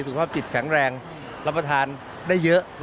สุขภาพจิตแข็งแรงรับประทานได้เยอะ